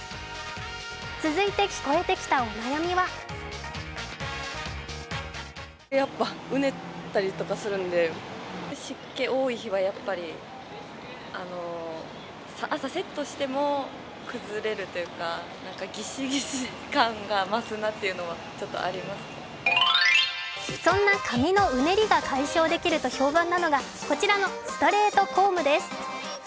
続いて聞こえてきたお悩みはそんな髪のうねりが解消できると評判なのがこちらのストレートコームです。